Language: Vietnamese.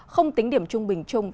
không tính điểm trung bình chung